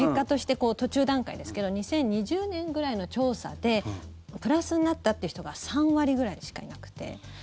途中段階ですけど２０２０年ぐらいの調査でプラスになったっていう人が３割ぐらいしかいなくて。